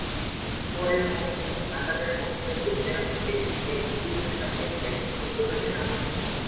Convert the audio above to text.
পরের মৌসুমে নাটালের পক্ষে অধিনায়ক জ্যাকি ম্যাকগ্লিউ’র সাথে ব্যাটিং উদ্বোধনে নামেন।